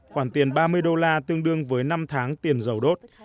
khoảng tiền ba mươi đô la tương đương với năm tháng tiền giàu đốt